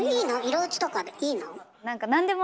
色落ちとかいいの？